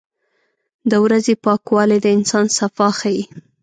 • د ورځې پاکوالی د انسان صفا ښيي.